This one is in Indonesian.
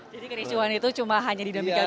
jadi kerisauan itu cuma hanya di demikiannya